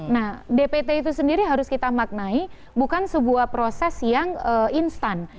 nah dpt itu sendiri harus kita maknai bukan sebuah proses yang instan